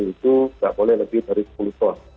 itu tidak boleh lebih dari sepuluh ton